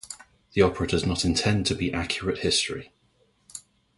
The opera does not intend to be accurate history.